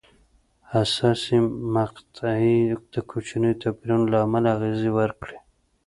حساسې مقطعې د کوچنیو توپیرونو له امله اغېزې وکړې.